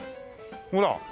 ほら。